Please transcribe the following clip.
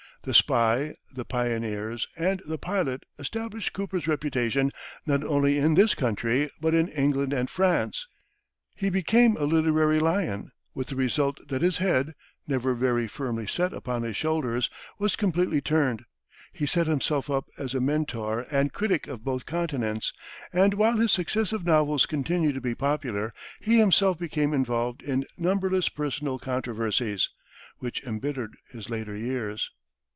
"The Spy," "The Pioneers," and "The Pilot" established Cooper's reputation not only in this country, but in England and France. He became a literary lion, with the result that his head, never very firmly set upon his shoulders, was completely turned; he set himself up as a mentor and critic of both continents, and while his successive novels continued to be popular, he himself became involved in numberless personal controversies, which embittered his later years.